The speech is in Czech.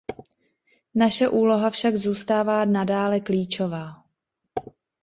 Naše úloha však zůstává nadále klíčová.